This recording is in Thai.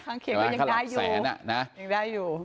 ข้างเคียงก็ยังได้อยู่